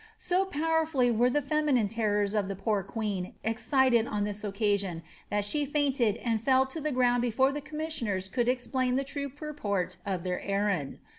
So powerfully were the feminine terrors of the poor queen excited on this occasion, that she fainted and fell to the ground before the commissioners could explain the true purport of their errand.